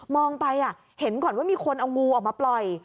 ไปเห็นก่อนว่ามีคนเอางูออกมาปล่อย